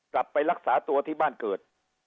กลับไปรักษาตัวที่บ้านเกิด